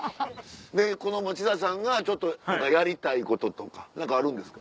でこの持田さんがやりたいこととか何かあるんですか？